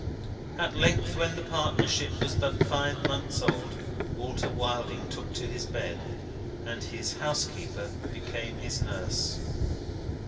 At length, when the partnership was but five months old, Walter Wilding took to his bed, and his housekeeper became his nurse.